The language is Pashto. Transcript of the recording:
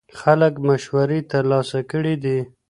خلک مشورې ترلاسه کړې دي.